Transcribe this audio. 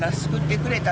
namun kebijakanuldi kita